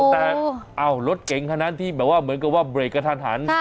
แต่เอ้ารถเก่งขนาดที่เหมือนกับว่าเบรคกะทัน